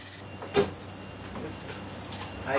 はい。